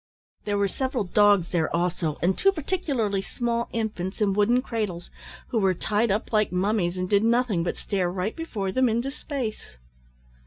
There were several dogs there also, and two particularly small infants in wooden cradles, who were tied up like mummies, and did nothing but stare right before them into space.